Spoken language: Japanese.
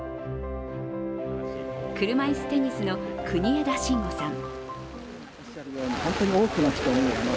車いすテニスの国枝慎吾さん。